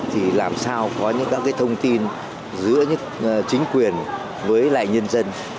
thì làm sao có những các cái thông tin giữa chính quyền với lại nhân dân